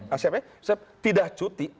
acp tidak cuti